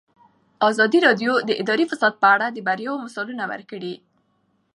ازادي راډیو د اداري فساد په اړه د بریاوو مثالونه ورکړي.